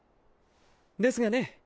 ですがね